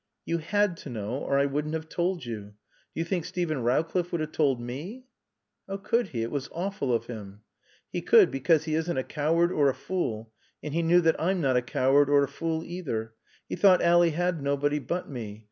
"You had to know or I wouldn't have told you. Do you think Steven Rowcliffe would have told _me _" "How could he? It was awful of him." "He could because he isn't a coward or a fool and he knew that I'm not a coward or a fool either. He thought Ally had nobody but me.